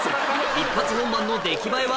一発本番の出来栄えは？